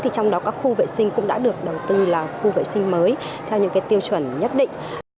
thì trong đó các khu vệ sinh cũng đã được đầu tư là khu vệ sinh mới theo những tiêu chuẩn nhất định